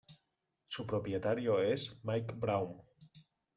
Su propietario es Mike Brown.